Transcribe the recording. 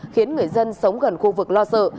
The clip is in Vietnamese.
khiến người dân sống gần khu vực lo sợ